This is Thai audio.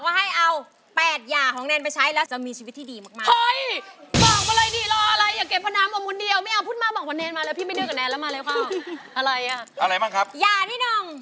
มีอะไรในใจกับเรานะคะมีอะไร